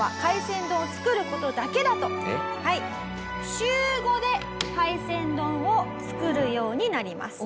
週５で海鮮丼を作るようになります。